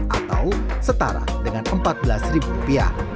atau setara dengan rp empat belas